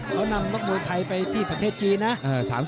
เขานำนักมวยไทยไปที่ประเทศจีนนะ